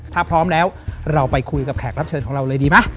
ถ้าพร้อมแล้วเราไปคุยกับแขกรับเชิญของเราเลยดีไหม